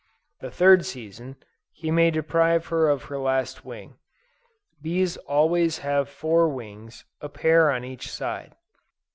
The third season, he may deprive her of her last wing. Bees always have four wings, a pair on each side.